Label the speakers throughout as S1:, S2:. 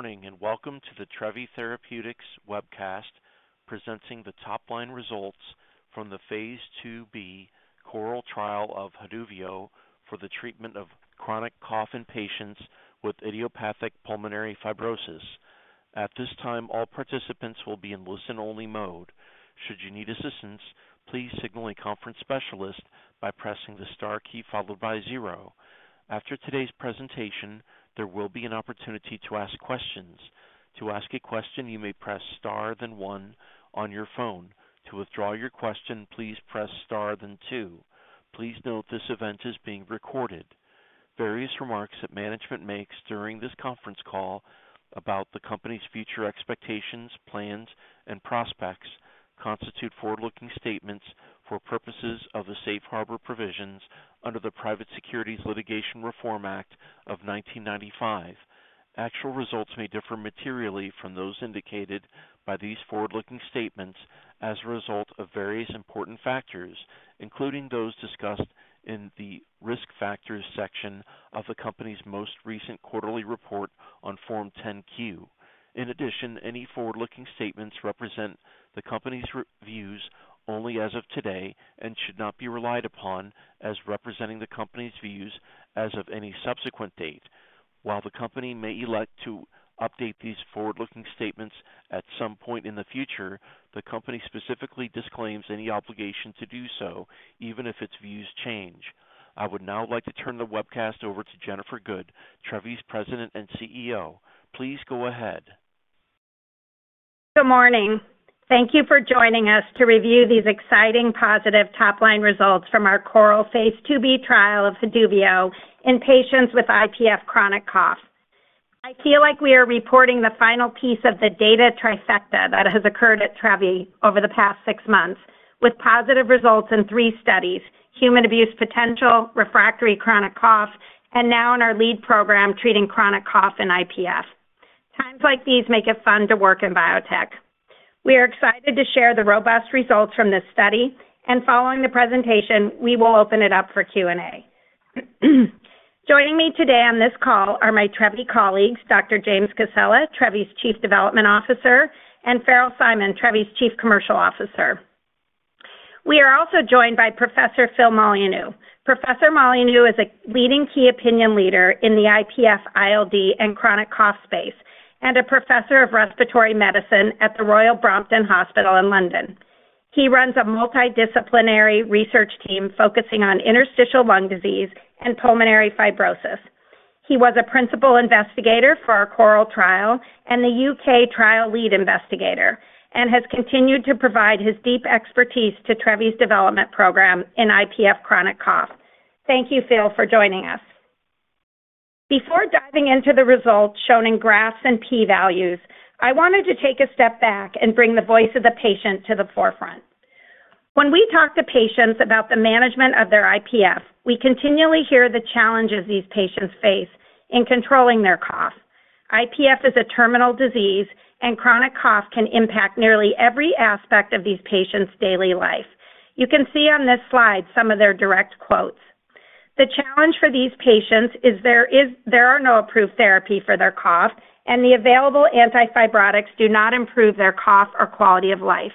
S1: Morning and welcome to the Trevi Therapeutics webcast, presenting the top-line results from the phase 2b CORAL trial of Haduvio for the treatment of chronic cough in patients with idiopathic pulmonary fibrosis. At this time, all participants will be in listen-only mode. Should you need assistance, please signal a conference specialist by pressing the star key followed by zero. After today's presentation, there will be an opportunity to ask questions. To ask a question, you may press star then one on your phone. To withdraw your question, please press star then two. Please note this event is being recorded. Various remarks that management makes during this conference call about the company's future expectations, plans, and prospects constitute forward-looking statements for purposes of the safe harbor provisions under the Private Securities Litigation Reform Act of 1995. Actual results may differ materially from those indicated by these forward-looking statements as a result of various important factors, including those discussed in the risk factors section of the company's most recent quarterly report on Form 10Q. In addition, any forward-looking statements represent the company's views only as of today and should not be relied upon as representing the company's views as of any subsequent date. While the company may elect to update these forward-looking statements at some point in the future, the company specifically disclaims any obligation to do so, even if its views change. I would now like to turn the webcast over to Jennifer Good, Trevi's President and CEO. Please go ahead.
S2: Good morning. Thank you for joining us to review these exciting positive top-line results from our CORAL phase 2b trial of Haduvio in patients with IPF chronic cough. I feel like we are reporting the final piece of the data trifecta that has occurred at Trevi over the past six months, with positive results in three studies: human abuse potential, refractory chronic cough, and now in our lead program treating chronic cough in IPF. Times like these make it fun to work in biotech. We are excited to share the robust results from this study, and following the presentation, we will open it up for Q&A. Joining me today on this call are my Trevi colleagues, Dr. James Cassella, Trevi's Chief Development Officer, and Farrell Simon, Trevi's Chief Commercial Officer. We are also joined by Professor Phil Molyneux. Professor Molyneux is a leading key opinion leader in the IPF, ILD, and chronic cough space and a Professor of Respiratory Medicine at the Royal Brompton Hospital in London. He runs a multidisciplinary research team focusing on interstitial lung disease and pulmonary fibrosis. He was a principal investigator for our CORAL trial and the U.K. trial lead investigator, and has continued to provide his deep expertise to Trevi's development program in IPF chronic cough. Thank you, Phil, for joining us. Before diving into the results shown in graphs and p-values, I wanted to take a step back and bring the voice of the patient to the forefront. When we talk to patients about the management of their IPF, we continually hear the challenges these patients face in controlling their cough. IPF is a terminal disease, and chronic cough can impact nearly every aspect of these patients' daily life. You can see on this slide some of their direct quotes. The challenge for these patients is there are no approved therapy for their cough, and the available antifibrotics do not improve their cough or quality of life.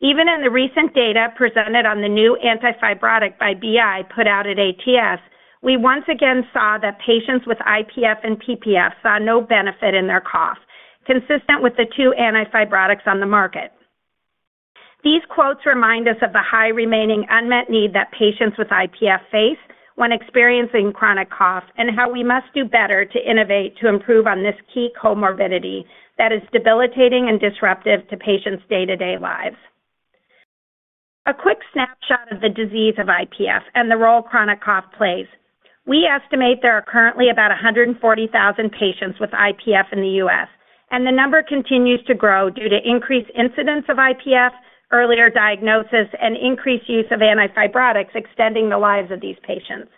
S2: Even in the recent data presented on the new antifibrotic by BI put out at ATS, we once again saw that patients with IPF and PPF saw no benefit in their cough, consistent with the two antifibrotics on the market. These quotes remind us of the high remaining unmet need that patients with IPF face when experiencing chronic cough and how we must do better to innovate to improve on this key comorbidity that is debilitating and disruptive to patients' day-to-day lives. A quick snapshot of the disease of IPF and the role chronic cough plays. We estimate there are currently about 140,000 patients with IPF in the U.S., and the number continues to grow due to increased incidence of IPF, earlier diagnosis, and increased use of antifibrotics extending the lives of these patients.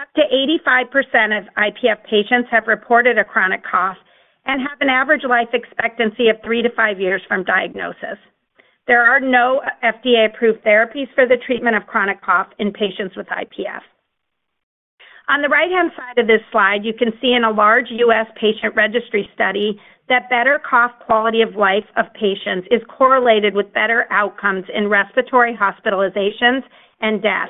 S2: Up to 85% of IPF patients have reported a chronic cough and have an average life expectancy of three to five years from diagnosis. There are no FDA-approved therapies for the treatment of chronic cough in patients with IPF. On the right-hand side of this slide, you can see in a large U.S. patient registry study that better cough quality of life of patients is correlated with better outcomes in respiratory hospitalizations and death,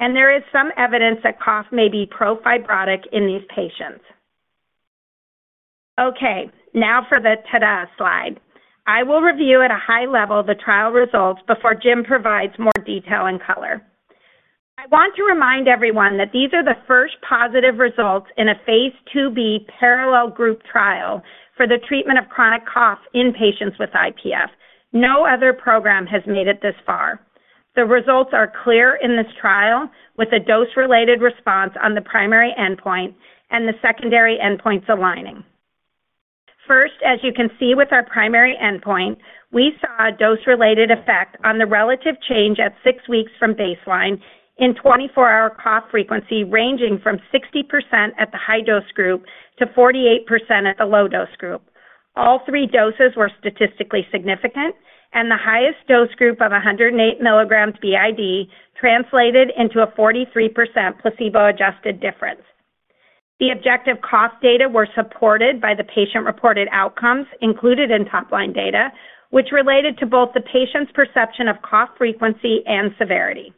S2: and there is some evidence that cough may be pro-fibrotic in these patients. Okay, now for the ta-da slide. I will review at a high level the trial results before Jim provides more detail and color. I want to remind everyone that these are the first positive results in a phase 2b parallel group trial for the treatment of chronic cough in patients with IPF. No other program has made it this far. The results are clear in this trial with a dose-related response on the primary endpoint and the secondary endpoints aligning. First, as you can see with our primary endpoint, we saw a dose-related effect on the relative change at six weeks from baseline in 24-hour cough frequency ranging from 60% at the high-dose group to 48% at the low-dose group. All three doses were statistically significant, and the highest dose group of 108 mg BID translated into a 43% placebo-adjusted difference. The objective cough data were supported by the patient-reported outcomes included in top-line data, which related to both the patient's perception of cough frequency and severity.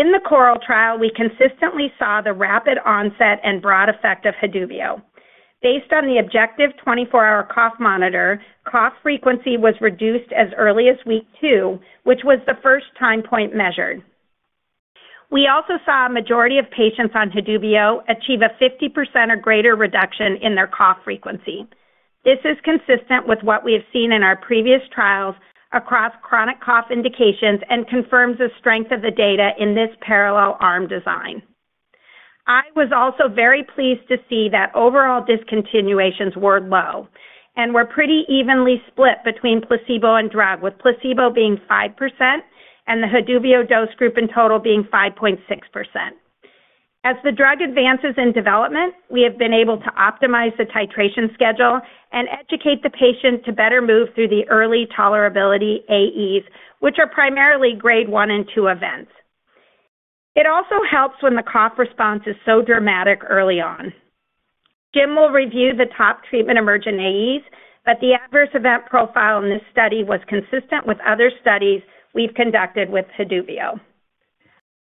S2: In the CORAL trial, we consistently saw the rapid onset and broad effect of Haduvio. Based on the objective 24-hour cough monitor, cough frequency was reduced as early as week two, which was the first time point measured. We also saw a majority of patients on Haduvio achieve a 50% or greater reduction in their cough frequency. This is consistent with what we have seen in our previous trials across chronic cough indications and confirms the strength of the data in this parallel arm design. I was also very pleased to see that overall discontinuations were low and were pretty evenly split between placebo and drug, with placebo being 5% and the Haduvio dose group in total being 5.6%. As the drug advances in development, we have been able to optimize the titration schedule and educate the patient to better move through the early tolerability AEs, which are primarily grade one and two events. It also helps when the cough response is so dramatic early on. Jim will review the top treatment emergent AEs, but the adverse event profile in this study was consistent with other studies we've conducted with Haduvio.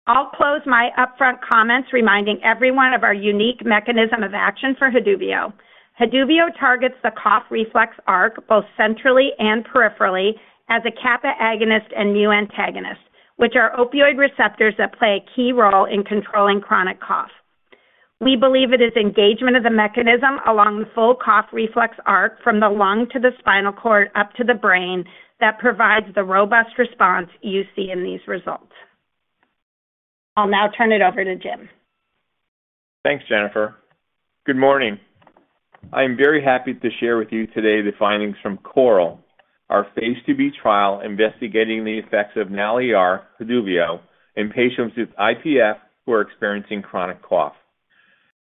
S2: I'll close my upfront comments reminding everyone of our unique mechanism of action for Haduvio. Haduvio targets the cough reflex arc both centrally and peripherally as a kappa agonist and mu antagonist, which are opioid receptors that play a key role in controlling chronic cough. We believe it is engagement of the mechanism along the full cough reflex arc from the lung to the spinal cord up to the brain that provides the robust response you see in these results. I'll now turn it over to Jim.
S3: Thanks, Jennifer. Good morning. I am very happy to share with you today the findings from CORAL, our phase 2b trial investigating the effects of NAL ER Haduvio in patients with IPF who are experiencing chronic cough.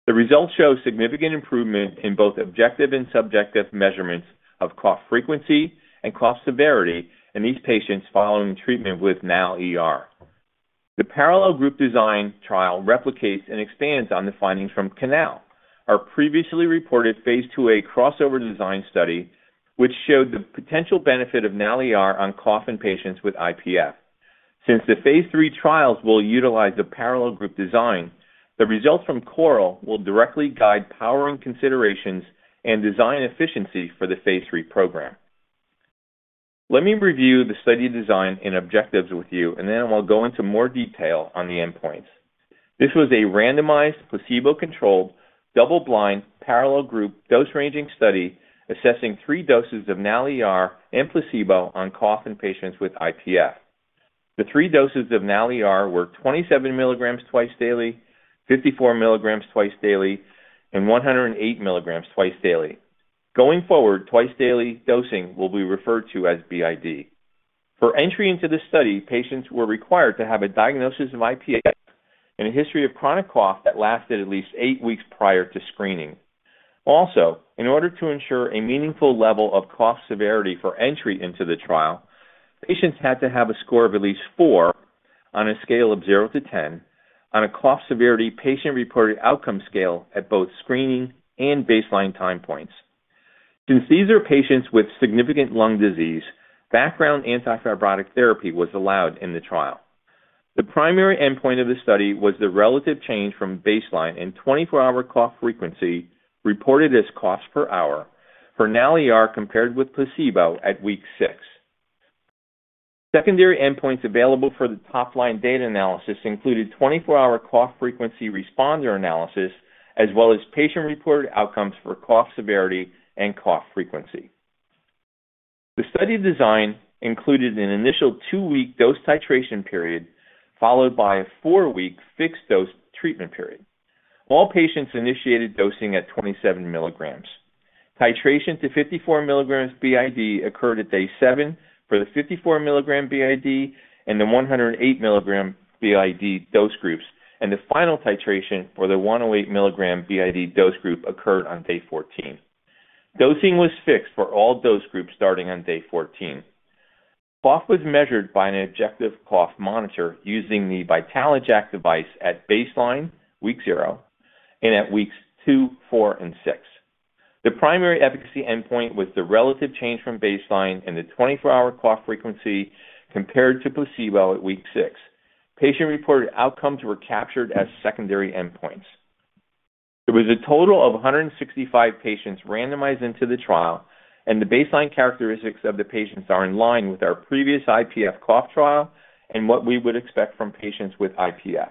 S3: The results show significant improvement in both objective and subjective measurements of cough frequency and cough severity in these patients following treatment with NAL ER. The parallel group design trial replicates and expands on the findings from CANAL, our previously reported phase 2a crossover design study, which showed the potential benefit of NAL ER on cough in patients with IPF. Since the phase III trials will utilize the parallel group design, the results from CORAL will directly guide powering considerations and design efficiency for the phase 3 program. Let me review the study design and objectives with you, and then I'll go into more detail on the endpoints. This was a randomized, placebo-controlled, double-blind, parallel group dose-ranging study assessing three doses of NAL ER and placebo on cough in patients with IPF. The three doses of NAL ER were 27 mg twice daily, 54 mg twice daily, and 108 mg twice daily. Going forward, twice daily dosing will be used to refer to as BID. For entry into the study, patients were required to have a diagnosis of IPF and a history of chronic cough that lasted at least eight weeks prior to screening. Also, in order to ensure a meaningful level of cough severity for entry into the trial, patients had to have a score of at least four on a scale of zero to ten on a cough severity patient-reported outcome scale at both screening and baseline time points. Since these are patients with significant lung disease, background antifibrotic therapy was allowed in the trial. The primary endpoint of the study was the relative change from baseline in 24-hour cough frequency reported as coughs per hour for NAL ER compared with placebo at week six. Secondary endpoints available for the top-line data analysis included 24-hour cough frequency responder analysis, as well as patient-reported outcomes for cough severity and cough frequency. The study design included an initial two-week dose titration period followed by a four-week fixed dose treatment period. All patients initiated dosing at 27 mg. Titration to 54 mg BID. occurred at day seven for the 54 mg BID. and the 108 mg BID. dose groups, and the final titration for the 108 mg BID. dose group occurred on day 14. Dosing was fixed for all dose groups starting on day 14. Cough was measured by an objective cough monitor using the VitaloJAK device at baseline, week zero, and at weeks two, four, and six. The primary efficacy endpoint was the relative change from baseline in the 24-hour cough frequency compared to placebo at week six. Patient-reported outcomes were captured as secondary endpoints. There was a total of 165 patients randomized into the trial, and the baseline characteristics of the patients are in line with our previous IPF cough trial and what we would expect from patients with IPF.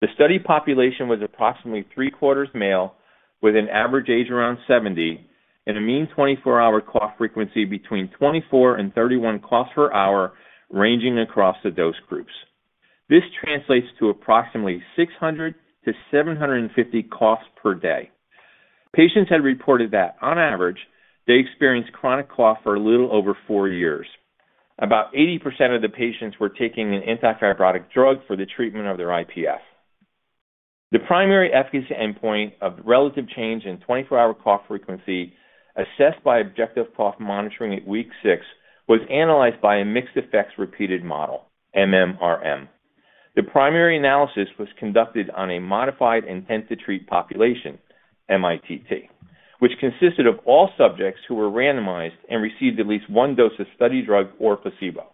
S3: The study population was approximately three-quarters male, with an average age around 70, and a mean 24-hour cough frequency between 24-31 coughs per hour ranging across the dose groups. This translates to approximately 600-750 coughs per day. Patients had reported that, on average, they experienced chronic cough for a little over four years. About 80% of the patients were taking an antifibrotic drug for the treatment of their IPF. The primary efficacy endpoint of relative change in 24-hour cough frequency assessed by objective cough monitoring at week six was analyzed by a mixed effects repeated model, MMRM. The primary analysis was conducted on a modified intent-to-treat population, mITT, which consisted of all subjects who were randomized and received at least one dose of study drug or placebo.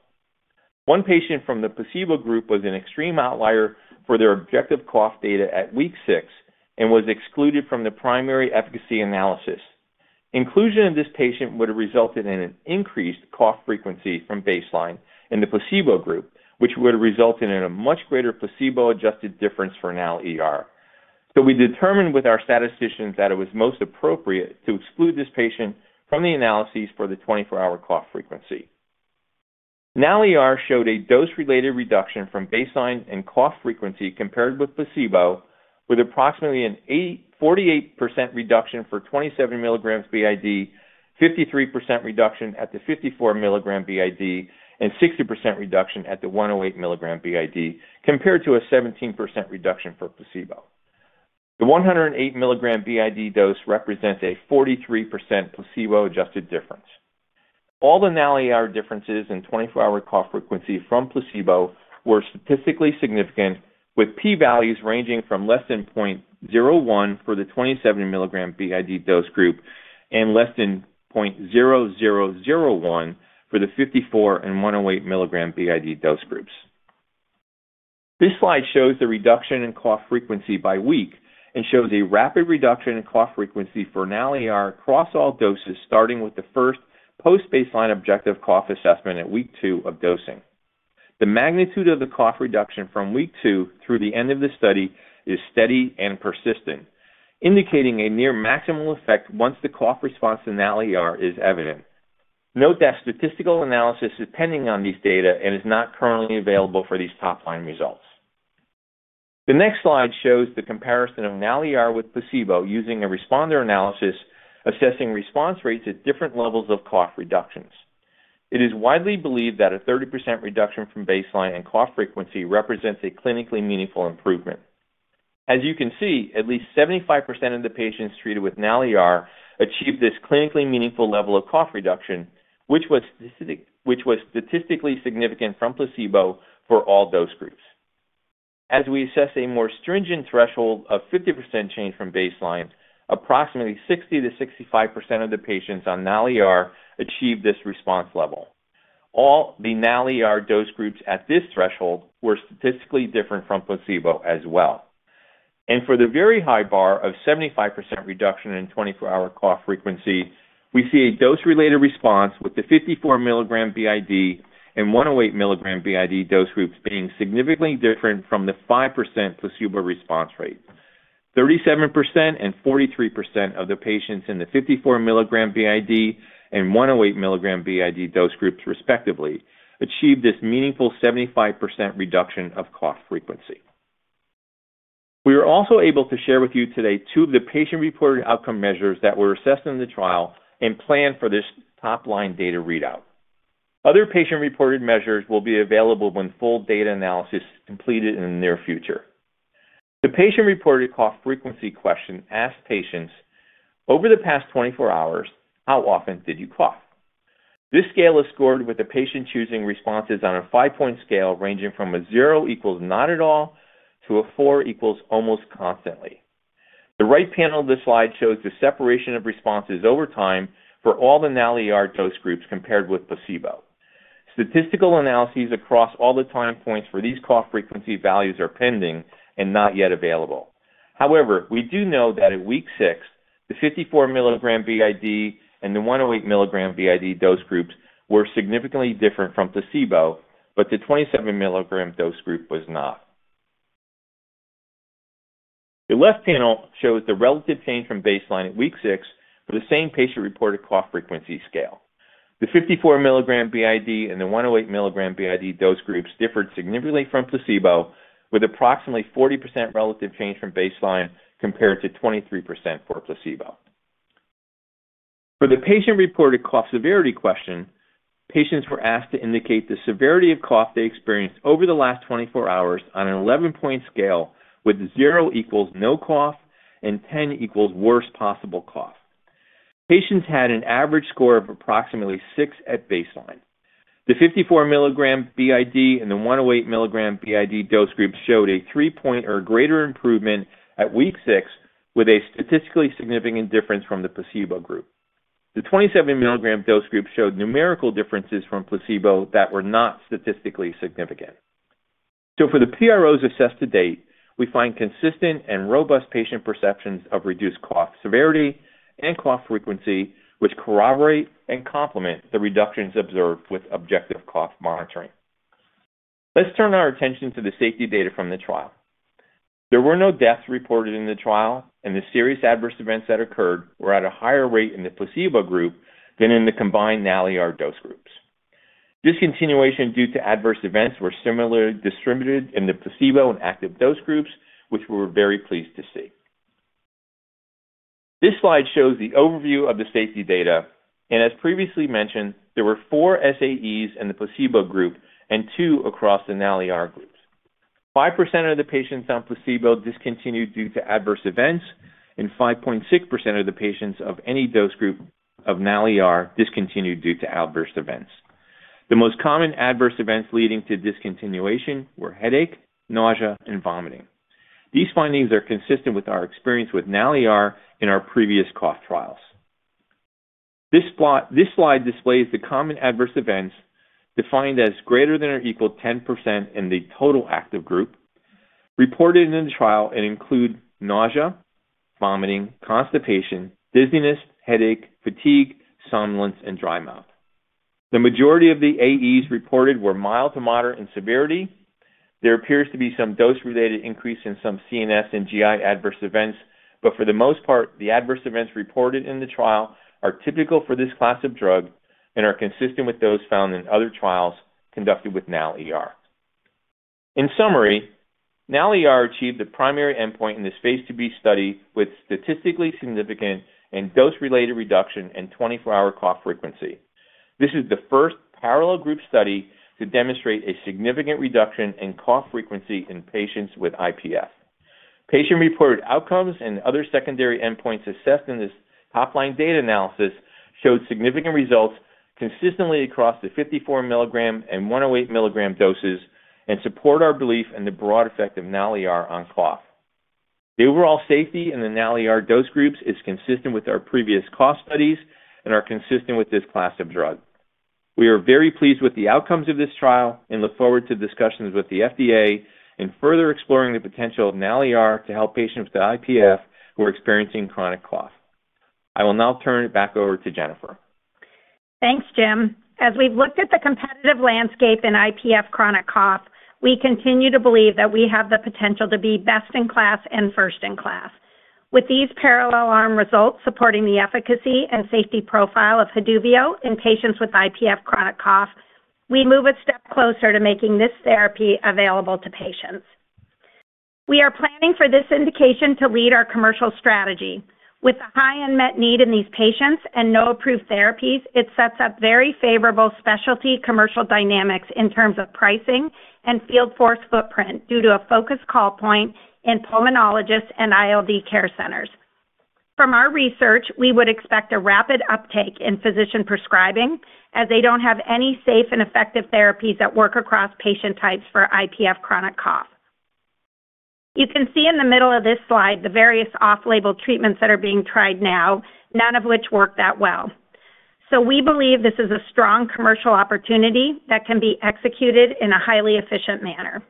S3: One patient from the placebo group was an extreme outlier for their objective cough data at week six and was excluded from the primary efficacy analysis. Inclusion of this patient would have resulted in an increased cough frequency from baseline in the placebo group, which would have resulted in a much greater placebo-adjusted difference for NAL ER. We determined with our statisticians that it was most appropriate to exclude this patient from the analyses for the 24-hour cough frequency. NAL ER showed a dose-related reduction from baseline in cough frequency compared with placebo, with approximately a 48% reduction for 27 mg BID, 53% reduction at the 54 mg BID, and 60% reduction at the 108 mg BID., compared to a 17% reduction for placebo. The 108 mg BID. dose represents a 43% placebo-adjusted difference. All the NAL ER differences in 24-hour cough frequency from placebo were statistically significant, with p-values ranging from less than 0.01 for the 27 mg BID. dose group and less than 0.0001 for the 54 and 108 mg BID. dose groups. This slide shows the reduction in cough frequency by week and shows a rapid reduction in cough frequency for NAL ER across all doses, starting with the first post-baseline objective cough assessment at week two of dosing. The magnitude of the cough reduction from week two through the end of the study is steady and persistent, indicating a near maximal effect once the cough response to NAL ER is evident. Note that statistical analysis is pending on these data and is not currently available for these top-line results. The next slide shows the comparison of Haduvio with placebo using a responder analysis assessing response rates at different levels of cough reductions. It is widely believed that a 30% reduction from baseline in cough frequency represents a clinically meaningful improvement. As you can see, at least 75% of the patients treated with NAL ER achieved this clinically meaningful level of cough reduction, which was statistically significant from placebo for all dose groups. As we assess a more stringent threshold of 50% change from baseline, approximately 60%-65% of the patients on NAL ER achieved this response level. All the NAL ER dose groups at this threshold were statistically different from placebo as well. For the very high bar of 75% reduction in 24-hour cough frequency, we see a dose-related response with the 54 mg BID. and 108 mg BID. dose groups being significantly different from the 5% placebo response rate. 37% and 43% of the patients in the 54 mg BID. and 108 mg BID. dose groups, respectively, achieved this meaningful 75% reduction of cough frequency. We were also able to share with you today two of the patient-reported outcome measures that were assessed in the trial and planned for this top-line data readout. Other patient-reported measures will be available when full data analysis is completed in the near future. The patient-reported cough frequency question asked patients, "Over the past 24 hours, how often did you cough?" This scale is scored with the patient choosing responses on a five-point scale ranging from a zero equals not at all to a four equals almost constantly. The right panel of the slide shows the separation of responses over time for all the NAL ER dose groups compared with placebo. Statistical analyses across all the time points for these cough frequency values are pending and not yet available. However, we do know that at week six, the 54 mg BID. and the 108 mg BID. dose groups were significantly different from placebo, but the 27 mg dose group was not. The left panel shows the relative change from baseline at week six for the same patient-reported cough frequency scale. The 54 mg BID. and the 108 mg BID. Dose groups differed significantly from placebo, with approximately 40% relative change from baseline compared to 23% for placebo. For the patient-reported cough severity question, patients were asked to indicate the severity of cough they experienced over the last 24 hours on an 11-point scale with zero equals no cough and 10 equals worst possible cough. Patients had an average score of approximately six at baseline. The 54 mg BID. and the 108 mg BID. dose groups showed a three-point or greater improvement at week six with a statistically significant difference from the placebo group. The 27 mg dose group showed numerical differences from placebo that were not statistically significant. For the PROs assessed to date, we find consistent and robust patient perceptions of reduced cough severity and cough frequency, which corroborate and complement the reductions observed with objective cough monitoring. Let's turn our attention to the safety data from the trial. There were no deaths reported in the trial, and the serious adverse events that occurred were at a higher rate in the placebo group than in the combined NAL ER dose groups. Discontinuation due to adverse events was similarly distributed in the placebo and active dose groups, which we were very pleased to see. This slide shows the overview of the safety data. As previously mentioned, there were four SAEs in the placebo group and two across the NAL ER groups. 5% of the patients on placebo discontinued due to adverse events, and 5.6% of the patients of any dose group of NAL ER discontinued due to adverse events. The most common adverse events leading to discontinuation were headache, nausea, and vomiting. These findings are consistent with our experience with NAL ER in our previous cough trials. This slide displays the common adverse events defined as greater than or equal to 10% in the total active group reported in the trial and include nausea, vomiting, constipation, dizziness, headache, fatigue, somnolence, and dry mouth. The majority of the AEs reported were mild to moderate in severity. There appears to be some dose-related increase in some CNS and GI adverse events, but for the most part, the adverse events reported in the trial are typical for this class of drug and are consistent with those found in other trials conducted with NAL ER. In summary, NAL ER achieved the primary endpoint in this phase 2b study with statistically significant and dose-related reduction in 24-hour cough frequency. This is the first parallel group study to demonstrate a significant reduction in cough frequency in patients with IPF. Patient-reported outcomes and other secondary endpoints assessed in this top-line data analysis showed significant results consistently across the 54 mg and 108 mg doses and support our belief in the broad effect of NAL ER on cough. The overall safety in the Haduvio dose groups is consistent with our previous cough studies and is consistent with this class of drug. We are very pleased with the outcomes of this trial and look forward to discussions with the FDA in further exploring the potential of NAL ER to help patients with IPF who are experiencing chronic cough. I will now turn it back over to Jennifer.
S2: Thanks, Jim. As we've looked at the competitive landscape in IPF chronic cough, we continue to believe that we have the potential to be best in class and first in class. With these parallel arm results supporting the efficacy and safety profile of Haduvio in patients with IPF chronic cough, we move a step closer to making this therapy available to patients. We are planning for this indication to lead our commercial strategy. With the high unmet need in these patients and no-approved therapies, it sets up very favorable specialty commercial dynamics in terms of pricing and field force footprint due to a focused call point in pulmonologists and ILD care centers. From our research, we would expect a rapid uptake in physician prescribing as they don't have any safe and effective therapies that work across patient types for IPF chronic cough. You can see in the middle of this slide the various off-label treatments that are being tried now, none of which work that well. We believe this is a strong commercial opportunity that can be executed in a highly efficient manner.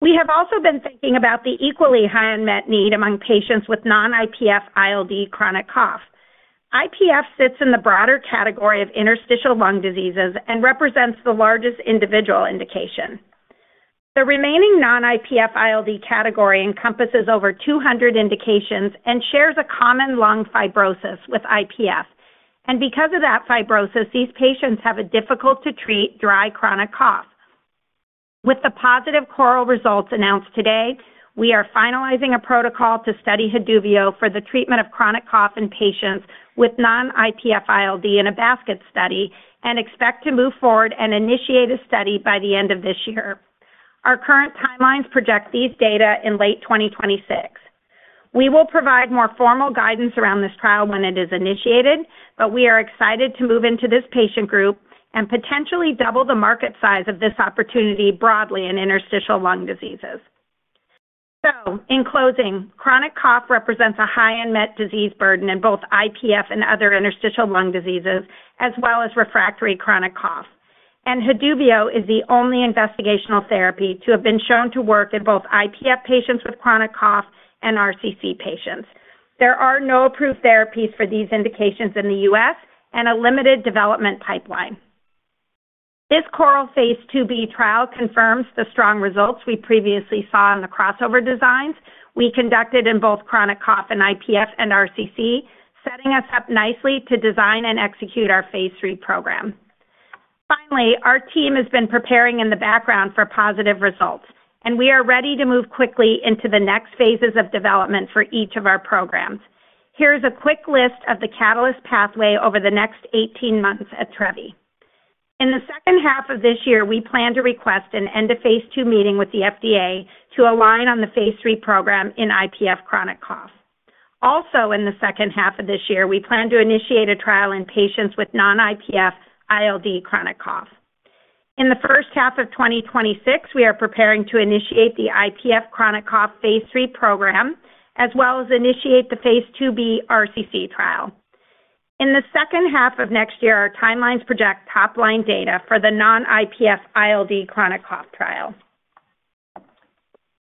S2: We have also been thinking about the equally high unmet need among patients with non-IPF ILD chronic cough. IPF sits in the broader category of interstitial lung diseases and represents the largest individual indication. The remaining non-IPF ILD category encompasses over 200 indications and shares a common lung fibrosis with IPF. Because of that fibrosis, these patients have a difficult-to-treat dry chronic cough. With the positive CORAL results announced today, we are finalizing a protocol to study Haduvio for the treatment of chronic cough in patients with non-IPF ILD in a basket study and expect to move forward and initiate a study by the end of this year. Our current timelines project these data in late 2026. We will provide more formal guidance around this trial when it is initiated, but we are excited to move into this patient group and potentially double the market size of this opportunity broadly in interstitial lung diseases. In closing, chronic cough represents a high unmet disease burden in both IPF and other interstitial lung diseases, as well as refractory chronic cough. Haduvio is the only investigational therapy to have been shown to work in both IPF patients with chronic cough and RCC patients. There are no approved therapies for these indications in the U.S. and a limited development pipeline. This CORAL phase 2b trial confirms the strong results we previously saw in the crossover designs we conducted in both chronic cough and IPF and RCC, setting us up nicely to design and execute our phase 3 program. Finally, our team has been preparing in the background for positive results, and we are ready to move quickly into the next phases of development for each of our programs. Here is a quick list of the catalyst pathway over the next 18 months at Trevi. In the second half of this year, we plan to request an end-of-phase-2 meeting with the FDA to align on the phase 3 program in IPF chronic cough. Also, in the second half of this year, we plan to initiate a trial in patients with non-IPF ILD chronic cough. In the first half of 2026, we are preparing to initiate the IPF chronic cough phase-three program, as well as initiate the phase 2b RCC trial. In the second half of next year, our timelines project top-line data for the non-IPF ILD chronic cough trial.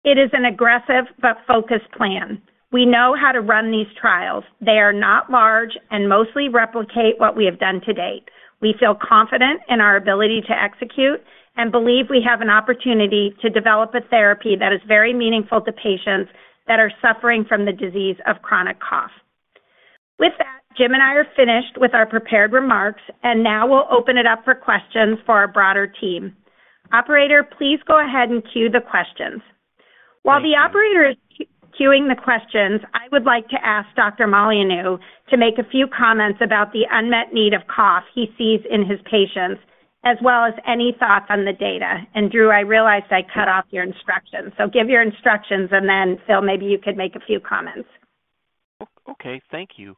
S2: It is an aggressive but focused plan. We know how to run these trials. They are not large and mostly replicate what we have done to date. We feel confident in our ability to execute and believe we have an opportunity to develop a therapy that is very meaningful to patients that are suffering from the disease of chronic cough. With that, Jim and I are finished with our prepared remarks, and now we'll open it up for questions for our broader team. Operator, please go ahead and cue the questions. While the operator is cueing the questions, I would like to ask Dr. Molyneux to make a few comments about the unmet need of cough he sees in his patients, as well as any thoughts on the data. Drew, I realized I cut off your instructions. Give your instructions, and then Phil, maybe you could make a few comments.
S1: Okay. Thank you.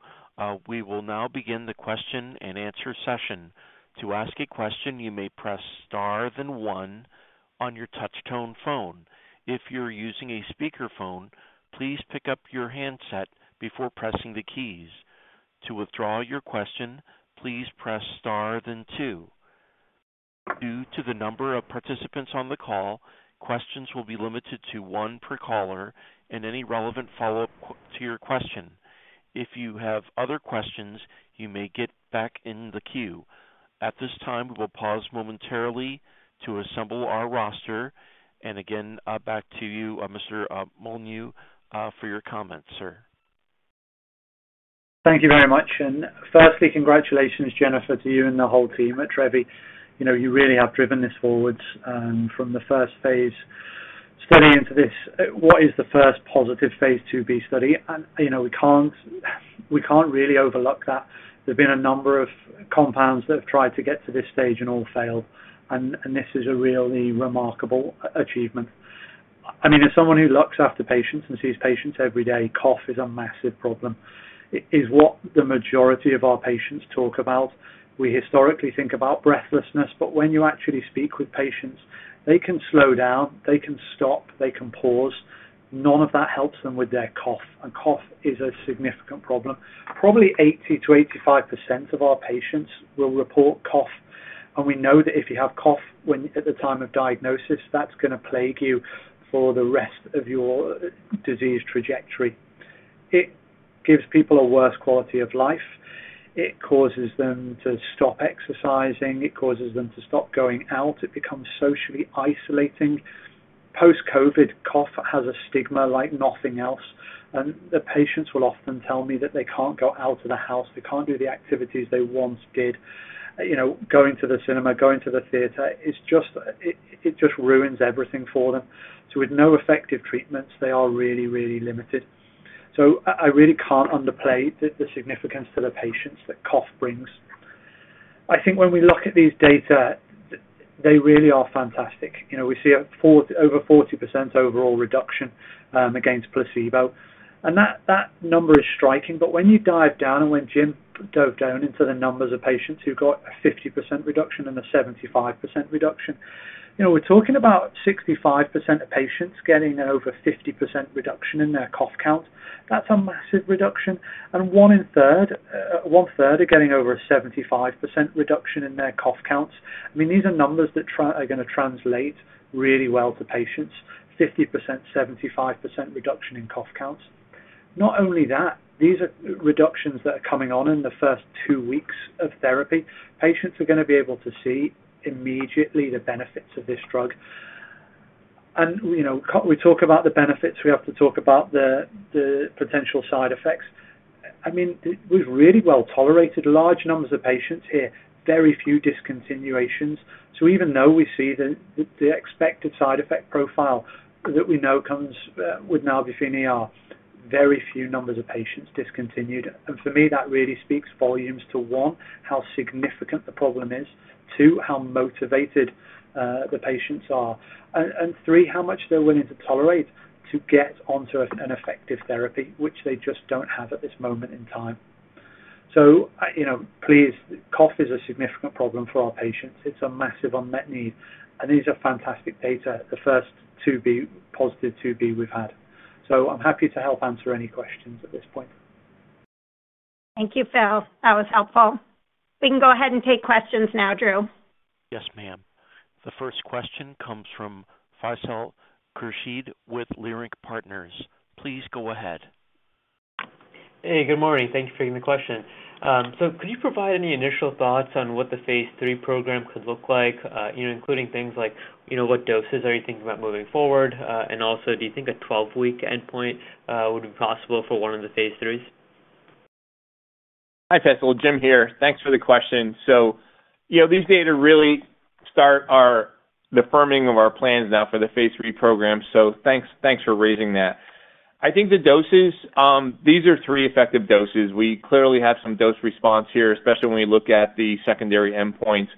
S1: We will now begin the question and answer session. To ask a question, you may press star then one on your touch-tone phone. If you're using a speakerphone, please pick up your handset before pressing the keys. To withdraw your question, please press star then two. Due to the number of participants on the call, questions will be limited to one per caller and any relevant follow-up to your question. If you have other questions, you may get back in the queue. At this time, we will pause momentarily to assemble our roster. Again, back to you, Mr. Molyneux, for your comments, sir.
S4: Thank you very much. Firstly, congratulations, Jennifer, to you and the whole team at Trevi. You really have driven this forward from the first phase study into this. What is the first positive phase 2b study? We can't really overlook that. There have been a number of compounds that have tried to get to this stage and all failed. This is a really remarkable achievement. I mean, as someone who looks after patients and sees patients every day, cough is a massive problem. It is what the majority of our patients talk about. We historically think about breathlessness, but when you actually speak with patients, they can slow down, they can stop, they can pause. None of that helps them with their cough. Cough is a significant problem. Probably 80%-85% of our patients will report cough. We know that if you have cough at the time of diagnosis, that's going to plague you for the rest of your disease trajectory. It gives people a worse quality of life. It causes them to stop exercising. It causes them to stop going out. It becomes socially isolating. Post-COVID, cough has a stigma like nothing else. The patients will often tell me that they can't go out of the house. They can't do the activities they once did. Going to the cinema, going to the theater, it just ruins everything for them. With no effective treatments, they are really, really limited. I really can't underplay the significance to the patients that cough brings. I think when we look at these data, they really are fantastic. We see over 40% overall reduction against placebo. That number is striking. When you dive down and when Jim dove down into the numbers of patients who got a 50% reduction and a 75% reduction, we're talking about 65% of patients getting over 50% reduction in their cough count. That's a massive reduction. And one-third are getting over a 75% reduction in their cough counts. I mean, these are numbers that are going to translate really well to patients. 50%, 75% reduction in cough counts. Not only that, these are reductions that are coming on in the first two weeks of therapy. Patients are going to be able to see immediately the benefits of this drug. And we talk about the benefits. We have to talk about the potential side effects. I mean, we've really well tolerated large numbers of patients here. Very few discontinuations. Even though we see the expected side effect profile that we know comes with nalbuphine ER, very few numbers of patients discontinued. For me, that really speaks volumes to, one, how significant the problem is, two, how motivated the patients are, and three, how much they're willing to tolerate to get onto an effective therapy, which they just don't have at this moment in time. Please, cough is a significant problem for our patients. It's a massive unmet need. These are fantastic data, the first-to-be positive-to-be we've had. I'm happy to help answer any questions at this point.
S2: Thank you, Phil. That was helpful. We can go ahead and take questions now, Drew.
S1: Yes, ma'am. The first question comes from Faisal Khurshid with Leerink Partners. Please go ahead.
S5: Hey, good morning. Thank you for taking the question. Could you provide any initial thoughts on what the phase III program could look like, including things like what doses are you thinking about moving forward? Also, do you think a 12-week endpoint would be possible for one of the phase threes?
S3: Hi, Faisal. Jim here. Thanks for the question. These data really start the firming of our plans now for the phase-three program. Thanks for raising that. I think the doses, these are three effective doses. We clearly have some dose response here, especially when we look at the secondary endpoints.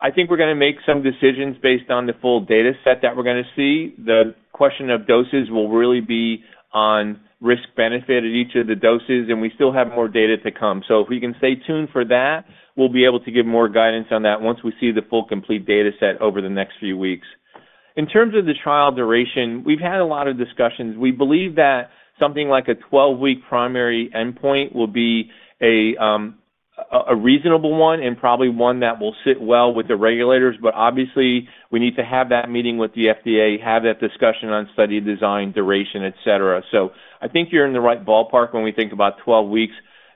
S3: I think we're going to make some decisions based on the full data set that we're going to see. The question of doses will really be on risk-benefit at each of the doses, and we still have more data to come. If we can stay tuned for that, we'll be able to give more guidance on that once we see the full complete data set over the next few weeks. In terms of the trial duration, we've had a lot of discussions. We believe that something like a 12-week primary endpoint will be a reasonable one and probably one that will sit well with the regulators. Obviously, we need to have that meeting with the FDA, have that discussion on study design, duration, etc. I think you're in the right ballpark when we think about 12 weeks.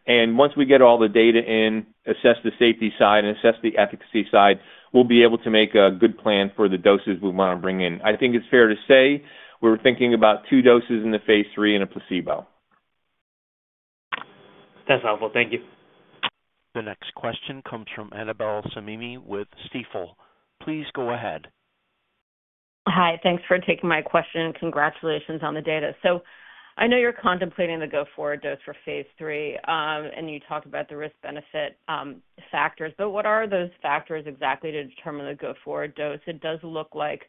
S3: Once we get all the data in, assess the safety side, and assess the efficacy side, we'll be able to make a good plan for the doses we want to bring in. I think it's fair to say we're thinking about two doses in the phase III and a placebo.
S5: That's helpful. Thank you.
S1: The next question comes from Annabel Samimy with Stifel. Please go ahead.
S6: Hi. Thanks for taking my question. Congratulations on the data. I know you're contemplating the go-forward dose for phase III, and you talked about the risk-benefit factors. What are those factors exactly to determine the go-forward dose? It does look like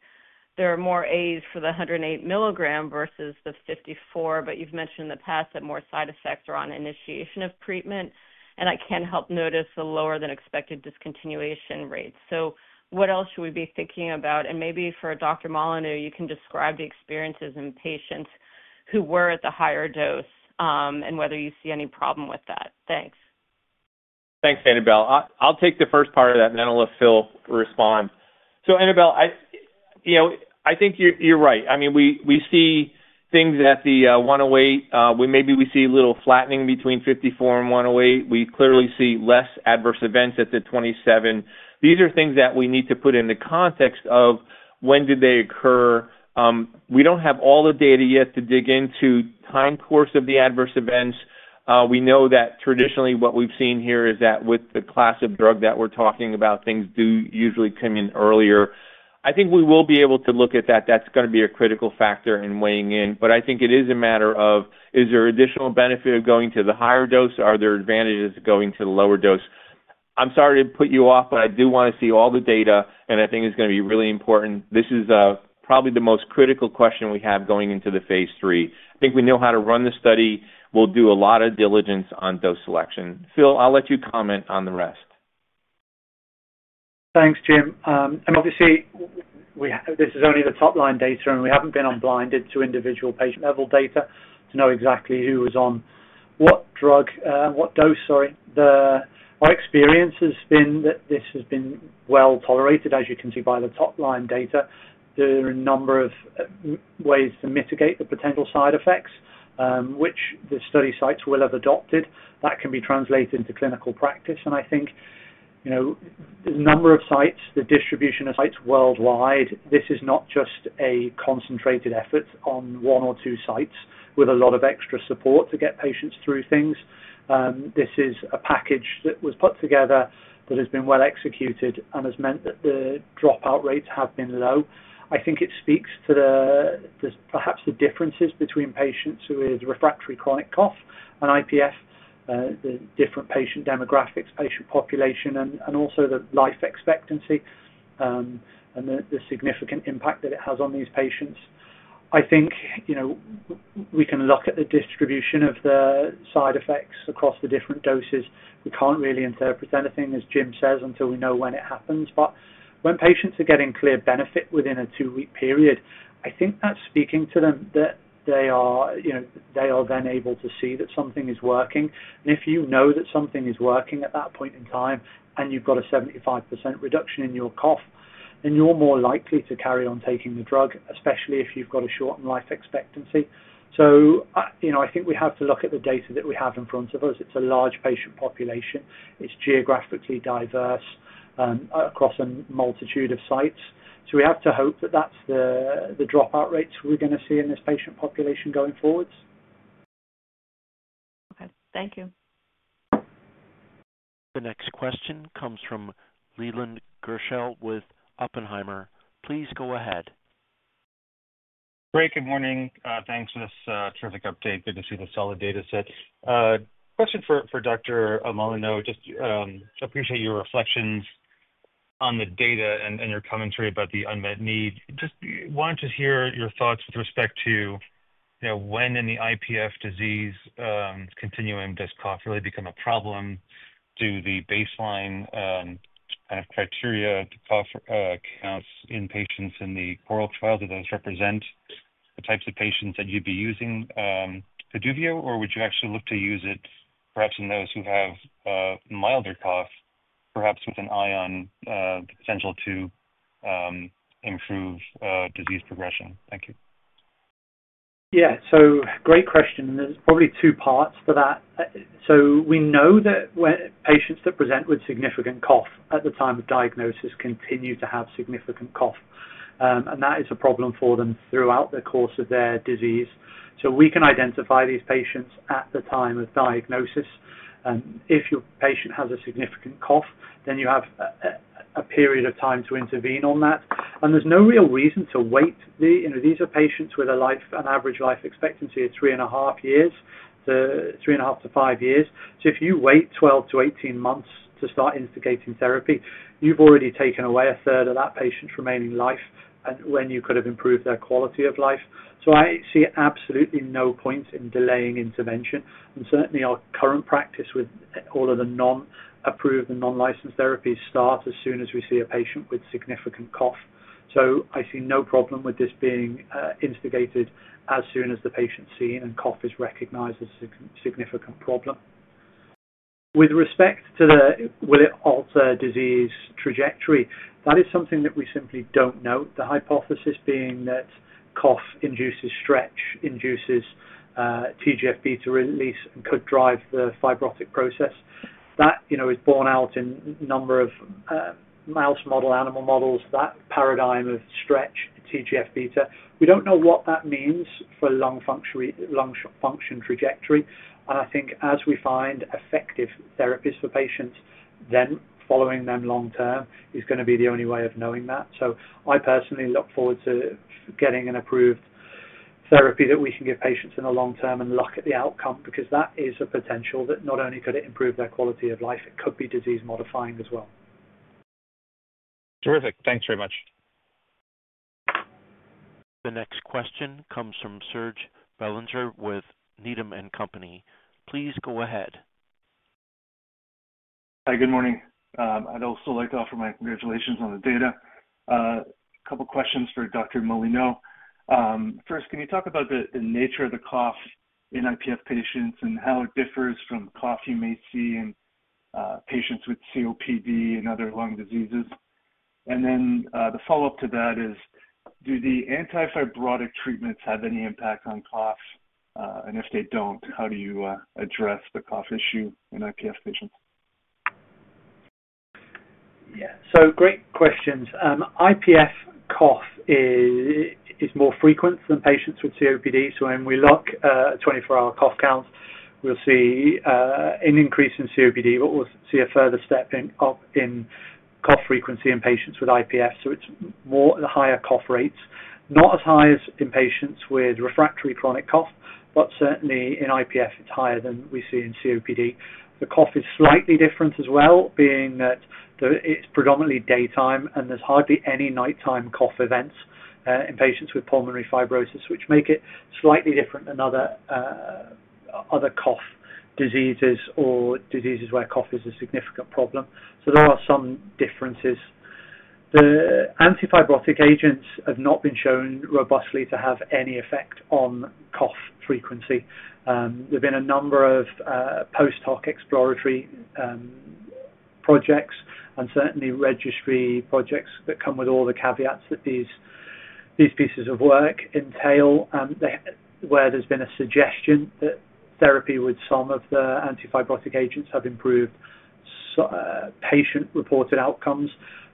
S6: there are more A's for the 108 mg versus the 54 mg, but you've mentioned in the past that more side effects are on initiation of treatment, and that can help notice the lower-than-expected discontinuation rate. What else should we be thinking about? Maybe for Dr. Molyneux, you can describe the experiences in patients who were at the higher dose and whether you see any problem with that. Thanks.
S3: Thanks, Annabel. I'll take the first part of that, and then I'll let Phil respond. So Annabel, I think you're right. I mean, we see things at the 108. Maybe we see a little flattening between 54 mg and 108 mg. We clearly see less adverse events at the 27 mg. These are things that we need to put in the context of when did they occur. We do not have all the data yet to dig into time course of the adverse events. We know that traditionally what we've seen here is that with the class of drug that we're talking about, things do usually come in earlier. I think we will be able to look at that. That is going to be a critical factor in weighing in. I think it is a matter of, is there additional benefit of going to the higher dose? Are there advantages of going to the lower dose? I'm sorry to put you off, but I do want to see all the data, and I think it's going to be really important. This is probably the most critical question we have going into the phase III. I think we know how to run the study. We'll do a lot of diligence on dose selection. Phil, I'll let you comment on the rest.
S4: Thanks, Jim. Obviously, this is only the top-line data, and we haven't been blinded to individual patient-level data to know exactly who was on what drug, what dose, sorry. Our experience has been that this has been well tolerated, as you can see by the top-line data. There are a number of ways to mitigate the potential side effects, which the study sites will have adopted. That can be translated into clinical practice. I think the number of sites, the distribution of sites worldwide, this is not just a concentrated effort on one or two sites with a lot of extra support to get patients through things. This is a package that was put together that has been well executed and has meant that the dropout rates have been low. I think it speaks to perhaps the differences between patients with refractory chronic cough and IPF, the different patient demographics, patient population, and also the life expectancy and the significant impact that it has on these patients. I think we can look at the distribution of the side effects across the different doses. We cannot really interpret anything, as Jim says, until we know when it happens. When patients are getting clear benefit within a two-week period, I think that is speaking to them that they are then able to see that something is working. If you know that something is working at that point in time and you have got a 75% reduction in your cough, then you are more likely to carry on taking the drug, especially if you have got a shortened life expectancy. I think we have to look at the data that we have in front of us. It's a large patient population. It's geographically diverse across a multitude of sites. We have to hope that that's the dropout rates we're going to see in this patient population going forwards.
S6: Okay. Thank you.
S1: The next question comes from Leland Gershell with Oppenheimer. Please go ahead.
S7: Great. Good morning. Thanks for this terrific update. Good to see the solid data set. Question for Dr. Molyneux. Just appreciate your reflections on the data and your commentary about the unmet need. Just wanted to hear your thoughts with respect to when in the IPF disease continuum does cough really become a problem? Do the baseline kind of criteria cough counts in patients in the oral trials, do those represent the types of patients that you'd be using Haduvio, or would you actually look to use it perhaps in those who have milder cough, perhaps with an eye on the potential to improve disease progression? Thank you.
S4: Yeah. Great question. There's probably two parts for that. We know that patients that present with significant cough at the time of diagnosis continue to have significant cough, and that is a problem for them throughout the course of their disease. We can identify these patients at the time of diagnosis. If your patient has a significant cough, then you have a period of time to intervene on that. There's no real reason to wait. These are patients with an average life expectancy of three and a half years, three and a half to five years. If you wait 12-18 months to start instigating therapy, you've already taken away a third of that patient's remaining life when you could have improved their quality of life. I see absolutely no point in delaying intervention. Certainly, our current practice with all of the non-approved and non-licensed therapies starts as soon as we see a patient with significant cough. I see no problem with this being instigated as soon as the patient is seen and cough is recognized as a significant problem. With respect to the will it alter disease trajectory, that is something that we simply do not know. The hypothesis being that cough induces stretch, induces TGF beta release, and could drive the fibrotic process. That is borne out in a number of mouse model animal models, that paradigm of stretch, TGF beta. We do not know what that means for lung function trajectory. I think as we find effective therapies for patients, then following them long-term is going to be the only way of knowing that. I personally look forward to getting an approved therapy that we can give patients in the long term and look at the outcome because that is a potential that not only could it improve their quality of life, it could be disease-modifying as well.
S7: Terrific. Thanks very much.
S1: The next question comes from Serge Belanger with Needham & Company. Please go ahead.
S8: Hi. Good morning. I'd also like to offer my congratulations on the data. A couple of questions for Dr. Molyneux. First, can you talk about the nature of the cough in IPF patients and how it differs from cough you may see in patients with COPD and other lung diseases? The follow-up to that is, do the antifibrotic treatments have any impact on cough? If they don't, how do you address the cough issue in IPF patients?
S4: Yeah. Great questions. IPF cough is more frequent than patients with COPD. When we look at 24-hour cough counts, we see an increase in COPD, but we see a further stepping up in cough frequency in patients with IPF. It is more the higher cough rates, not as high as in patients with refractory chronic cough, but certainly in IPF, it is higher than we see in COPD. The cough is slightly different as well, being that it is predominantly daytime, and there is hardly any nighttime cough events in patients with pulmonary fibrosis, which make it slightly different than other cough diseases or diseases where cough is a significant problem. There are some differences. The antifibrotic agents have not been shown robustly to have any effect on cough frequency. There have been a number of post-hoc exploratory projects and certainly registry projects that come with all the caveats that these pieces of work entail, where there's been a suggestion that therapy with some of the antifibrotic agents have improved patient-reported outcomes.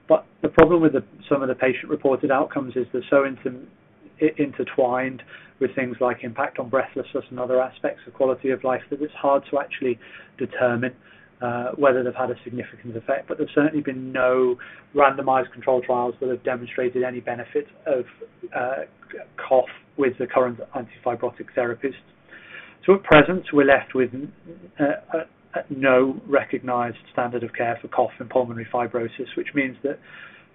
S4: The problem with some of the patient-reported outcomes is they're so intertwined with things like impact on breathlessness and other aspects of quality of life that it's hard to actually determine whether they've had a significant effect. There's certainly been no randomized controlled trials that have demonstrated any benefit of cough with the current antifibrotic therapies. At present, we're left with no recognized standard of care for cough and pulmonary fibrosis, which means that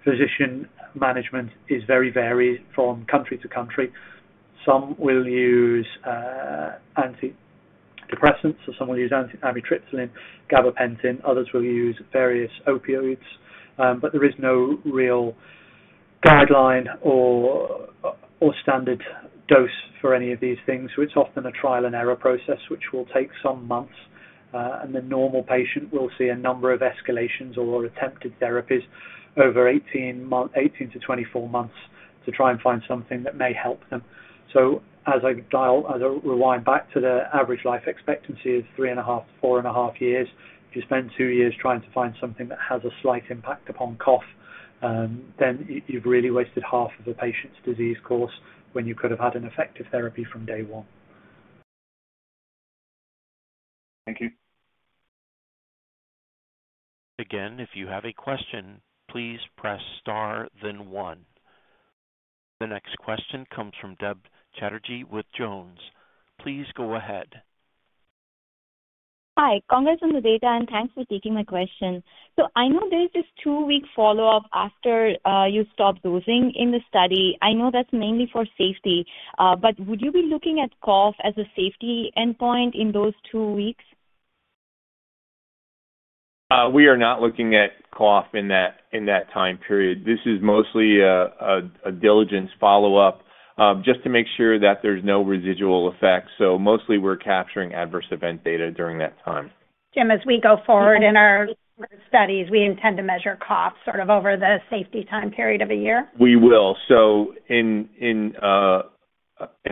S4: physician management is very varied from country to country. Some will use antidepressants, or some will use amitriptyline, gabapentin. Others will use various opioids. There is no real guideline or standard dose for any of these things. It is often a trial and error process, which will take some months. The normal patient will see a number of escalations or attempted therapies over 18-24 months to try and find something that may help them. As I rewind back to the average life expectancy of three and a half to four and a half years, if you spend two years trying to find something that has a slight impact upon cough, then you have really wasted half of a patient's disease course when you could have had an effective therapy from day one.
S8: Thank you.
S1: Again, if you have a question, please press star, then one. The next question comes from Deb Chatterjee with Jones. Please go ahead.
S9: Hi. Congrats on the data, and thanks for taking my question. I know there's this two-week follow-up after you stop dosing in the study. I know that's mainly for safety, but would you be looking at cough as a safety endpoint in those two weeks?
S3: We are not looking at cough in that time period. This is mostly a diligence follow-up just to make sure that there's no residual effect. Mostly, we're capturing adverse event data during that time.
S9: Jim, as we go forward in our studies, we intend to measure cough sort of over the safety time period of a year.
S3: We will. In an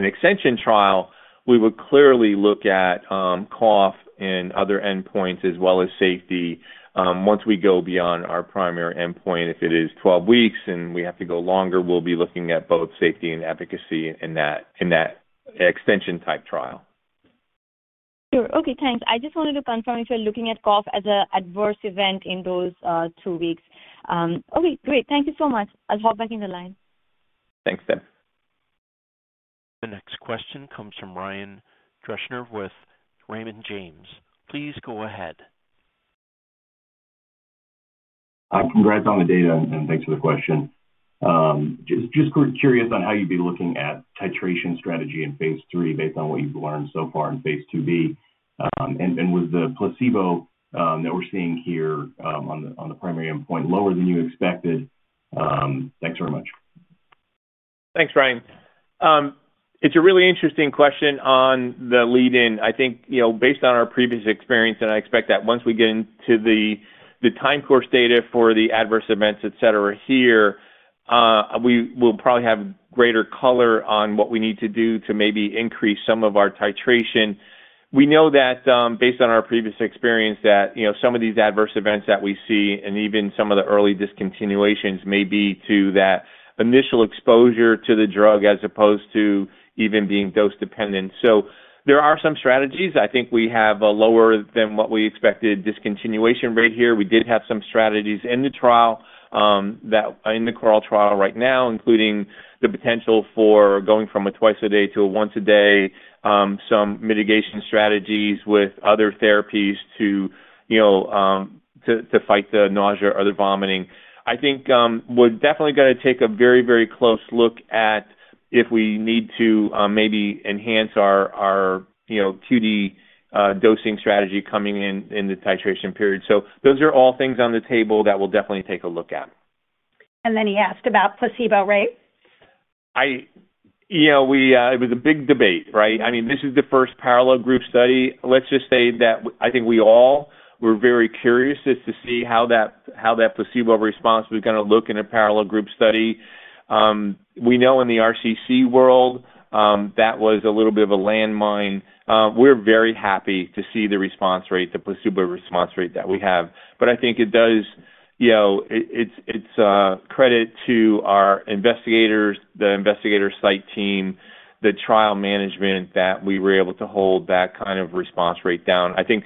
S3: extension trial, we would clearly look at cough and other endpoints as well as safety. Once we go beyond our primary endpoint, if it is 12 weeks and we have to go longer, we'll be looking at both safety and efficacy in that extension-type trial.
S9: Sure. Okay. Thanks. I just wanted to confirm if you're looking at cough as an adverse event in those two weeks. Okay. Great. Thank you so much. I'll hop back in the line.
S3: Thanks, Deb.
S1: The next question comes from Ryan Deschner with Raymond James. Please go ahead.
S10: Congrats on the data, and thanks for the question. Just curious on how you'd be looking at titration strategy in phase III based on what you've learned so far in phase 2b. Was the placebo that we're seeing here on the primary endpoint lower than you expected? Thanks very much.
S3: Thanks, Ryan. It's a really interesting question on the lead-in. I think based on our previous experience, and I expect that once we get into the time course data for the adverse events, etc., here, we will probably have greater color on what we need to do to maybe increase some of our titration. We know that based on our previous experience that some of these adverse events that we see and even some of the early discontinuations may be to that initial exposure to the drug as opposed to even being dose-dependent. There are some strategies. I think we have a lower than what we expected discontinuation rate here. We did have some strategies in the CORAL trial right now, including the potential for going from a twice-a-day to a once-a-day, some mitigation strategies with other therapies to fight the nausea or the vomiting. I think we're definitely going to take a very, very close look at if we need to maybe enhance our QD dosing strategy coming in the titration period. Those are all things on the table that we'll definitely take a look at.
S2: He asked about placebo, right?
S3: It was a big debate, right? I mean, this is the first parallel group study. Let's just say that I think we all were very curious just to see how that placebo response was going to look in a parallel group study. We know in the RCC world, that was a little bit of a landmine. We're very happy to see the response rate, the placebo response rate that we have. I think it does its credit to our investigators, the investigator site team, the trial management that we were able to hold that kind of response rate down. I think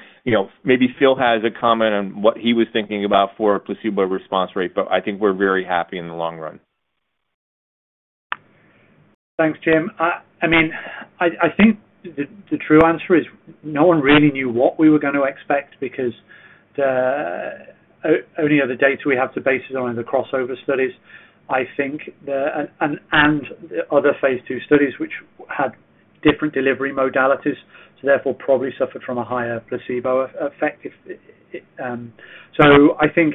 S3: maybe Phil has a comment on what he was thinking about for a placebo response rate, but I think we're very happy in the long run.
S4: Thanks, Jim. I mean, I think the true answer is no one really knew what we were going to expect because the only other data we have to base it on are the crossover studies, I think, and other phase two studies which had different delivery modalities, so therefore probably suffered from a higher placebo effect. I think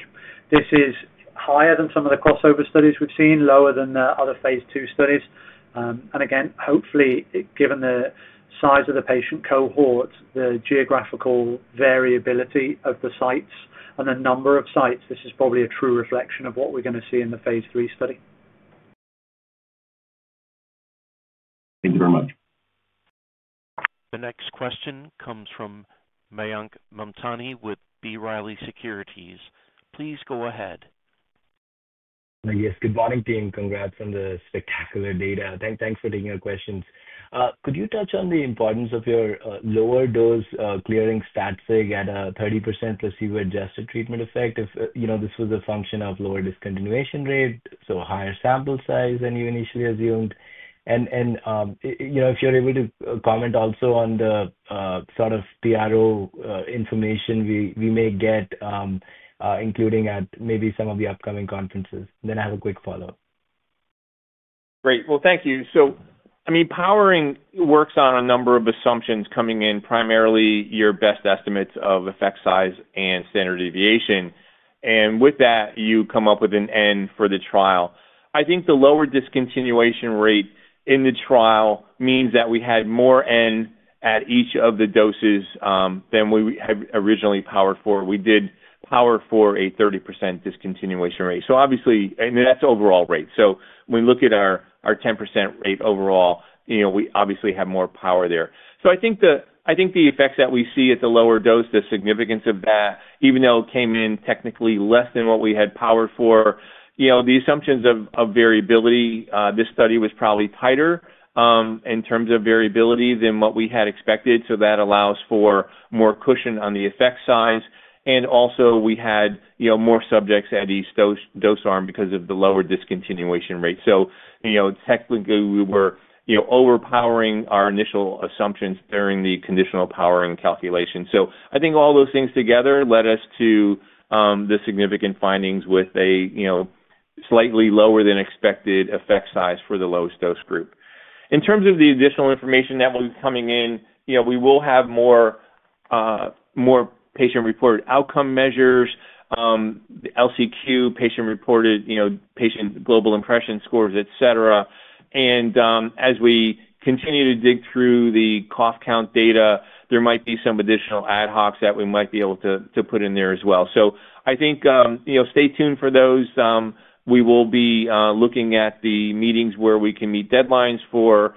S4: this is higher than some of the crossover studies we've seen, lower than the other phase two studies. Again, hopefully, given the size of the patient cohort, the geographical variability of the sites, and the number of sites, this is probably a true reflection of what we're going to see in the phase III study.
S10: Thank you very much.
S1: The next question comes from Mayank Mamtani with B. Riley Securities. Please go ahead.
S11: Yes. Good morning, team. Congrats on the spectacular data. Thanks for taking our questions. Could you touch on the importance of your lower dose clearing stat sig at a 30% placebo-adjusted treatment effect if this was a function of lower discontinuation rate, so a higher sample size than you initially assumed? If you're able to comment also on the sort of PRO information we may get, including at maybe some of the upcoming conferences. I have a quick follow-up.
S3: Great. Thank you. I mean, powering works on a number of assumptions coming in, primarily your best estimates of effect size and standard deviation. With that, you come up with an N for the trial. I think the lower discontinuation rate in the trial means that we had more N at each of the doses than we had originally powered for. We did power for a 30% discontinuation rate. Obviously, and that's overall rate. When we look at our 10% rate overall, we obviously have more power there. I think the effects that we see at the lower dose, the significance of that, even though it came in technically less than what we had powered for, the assumptions of variability, this study was probably tighter in terms of variability than what we had expected. That allows for more cushion on the effect size. We had more subjects at each dose arm because of the lower discontinuation rate. Technically, we were overpowering our initial assumptions during the conditional powering calculation. I think all those things together led us to the significant findings with a slightly lower than expected effect size for the lowest dose group. In terms of the additional information that will be coming in, we will have more patient-reported outcome measures, the LCQ, patient-reported patient global impression scores, etc. As we continue to dig through the cough count data, there might be some additional ad hocs that we might be able to put in there as well. I think stay tuned for those. We will be looking at the meetings where we can meet deadlines for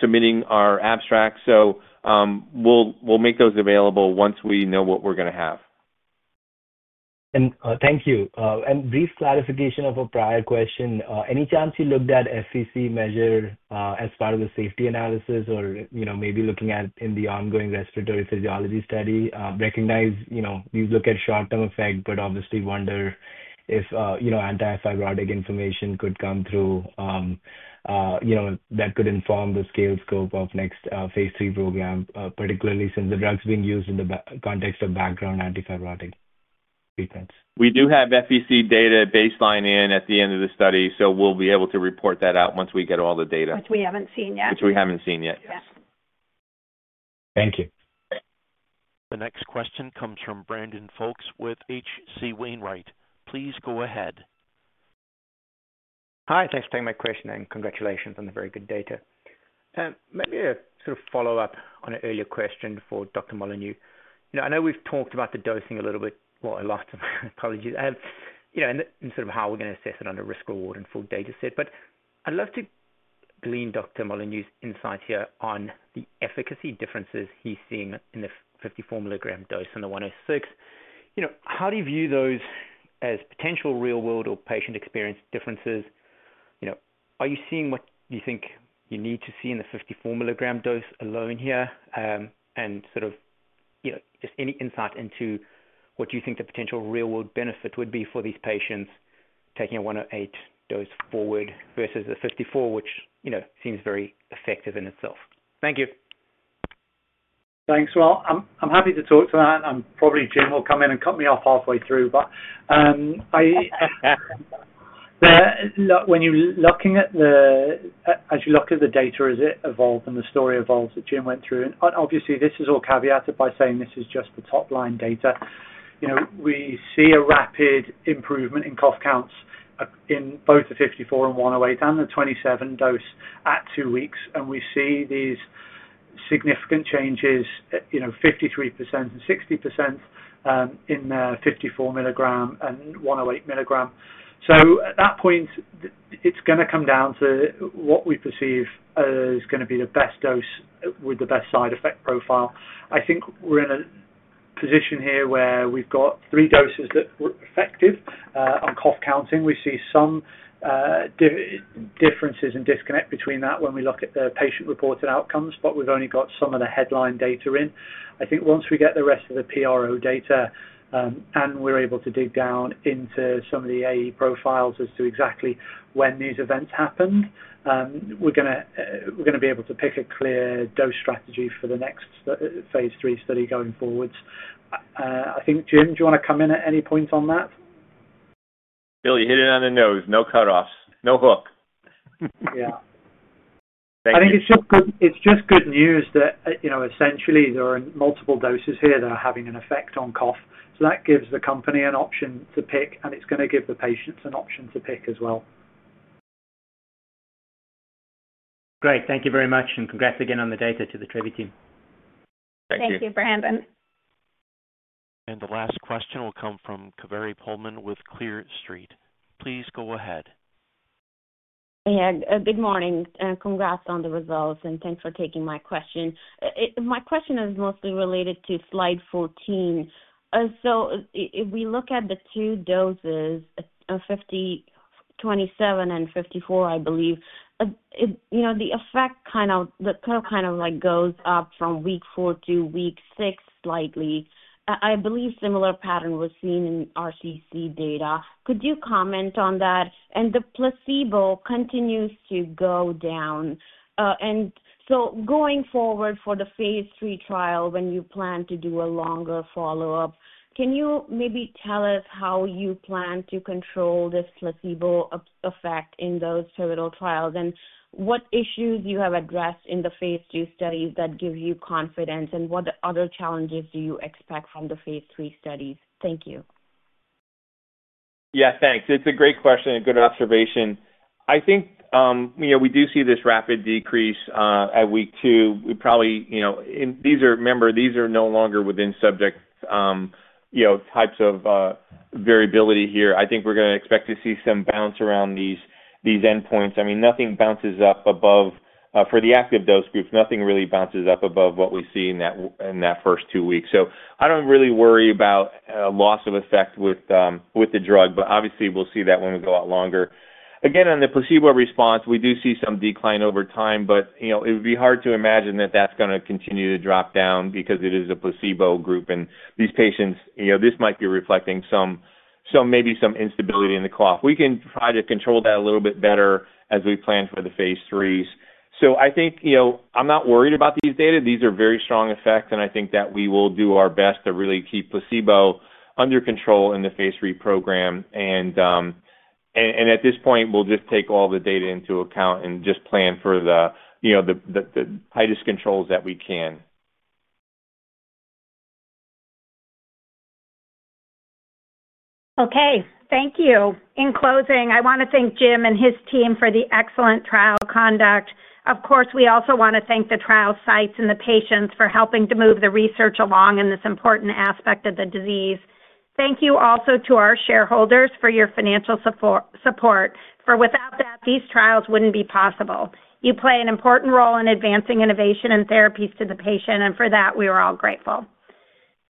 S3: submitting our abstracts. We'll make those available once we know what we're going to have.
S11: Thank you. Brief clarification of a prior question. Any chance you looked at FVC measure as part of the safety analysis or maybe looking at it in the ongoing respiratory physiology study? Recognize you look at short-term effect, but obviously wonder if antifibrotic information could come through that could inform the scale scope of next phase III program, particularly since the drug's being used in the context of background antifibrotic treatments.
S3: We do have FVC data baseline in at the end of the study, so we'll be able to report that out once we get all the data.
S2: Which we haven't seen yet.
S3: Which we haven't seen yet, yes.
S11: Thank you.
S1: The next question comes from Brandon FolkEs with H.C. Wainwright. Please go ahead.
S12: Hi. Thanks for taking my question, and congratulations on the very good data. Maybe a sort of follow-up on an earlier question for Dr. Molyneux. I know we've talked about the dosing a little bit last time. Apologies. And sort of how we're going to assess it on a risk-reward and full data set. I'd love to glean Dr. Molyneux's insight here on the efficacy differences he's seeing in the 54 mg dose and the 106 mg. How do you view those as potential real-world or patient experience differences? Are you seeing what you think you need to see in the 54 mg dose alone here? And just any insight into what you think the potential real-world benefit would be for these patients taking a 108 mg dose forward versus the 54 mg, which seems very effective in itself. Thank you.
S4: Thanks. I'm happy to talk to that. Probably Jim will come in and cut me off halfway through. When you're looking at the, as you look at the data, as it evolved and the story evolves that Jim went through, and obviously, this is all caveated by saying this is just the top-line data. We see a rapid improvement in cough counts in both the 54 mg and 108 mg and the 27 mg dose at two weeks. We see these significant changes, 53% and 60% in the 54 mg and 108 mg. At that point, it's going to come down to what we perceive as going to be the best dose with the best side effect profile. I think we're in a position here where we've got three doses that were effective on cough counting. We see some differences and disconnect between that when we look at the patient-reported outcomes, but we've only got some of the headline data in. I think once we get the rest of the PRO data and we're able to dig down into some of the AE profiles as to exactly when these events happened, we're going to be able to pick a clear dose strategy for the next phase III study going forwards. I think, Jim, do you want to come in at any point on that?
S3: Bill, you hit it on the nose. No cutoffs. No hook.
S4: Yeah. I think it's just good news that essentially, there are multiple doses here that are having an effect on cough. So that gives the company an option to pick, and it's going to give the patients an option to pick as well.
S12: Great. Thank you very much. And congrats again on the data to the Trevi team.
S3: Thank you.
S2: Thank you, Brandon.
S1: The last question will come from Kaveri Pohlman with Clear Street. Please go ahead.
S13: Yeah. Good morning. Congrats on the results, and thanks for taking my question. My question is mostly related to slide 14. If we look at the two doses, 50 mg, 27 mg and 54 mg, I believe, the effect, kind of the curve, kind of goes up from week four to week six slightly. I believe a similar pattern was seen in RCC data. Could you comment on that? The placebo continues to go down. Going forward for the phase III trial, when you plan to do a longer follow-up, can you maybe tell us how you plan to control this placebo effect in those pivotal trials? What issues have you addressed in the phase II studies that give you confidence? What other challenges do you expect from the phase III studies? Thank you.
S3: Yeah. Thanks. It's a great question and good observation. I think we do see this rapid decrease at week two. And remember, these are no longer within subject types of variability here. I think we're going to expect to see some bounce around these endpoints. I mean, nothing bounces up above for the active dose group, nothing really bounces up above what we see in that first two weeks. So I don't really worry about a loss of effect with the drug, but obviously, we'll see that when we go out longer. Again, on the placebo response, we do see some decline over time, but it would be hard to imagine that that's going to continue to drop down because it is a placebo group. And these patients, this might be reflecting maybe some instability in the cough. We can try to control that a little bit better as we plan for the phase threes. I think I'm not worried about these data. These are very strong effects, and I think that we will do our best to really keep placebo under control in the phase III program. At this point, we'll just take all the data into account and just plan for the tightest controls that we can.
S2: Okay. Thank you. In closing, I want to thank Jim and his team for the excellent trial conduct. Of course, we also want to thank the trial sites and the patients for helping to move the research along in this important aspect of the disease. Thank you also to our shareholders for your financial support. For without that, these trials would not be possible. You play an important role in advancing innovation and therapies to the patient, and for that, we are all grateful.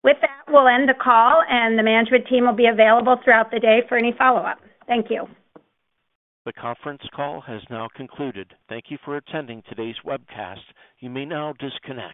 S2: With that, we will end the call, and the management team will be available throughout the day for any follow-up. Thank you.
S1: The conference call has now concluded. Thank you for attending today's webcast. You may now disconnect.